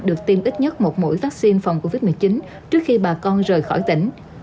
được tiêm ít nhất một mũi vaccine phòng covid một mươi chín trước khi bà con rời khỏi tỉnh